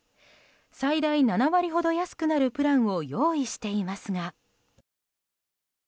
最大７割ほど安くなるプランを用意していますが。